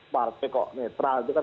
partai kok netral itu kan